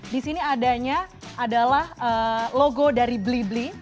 di sini adanya adalah logo dari blibli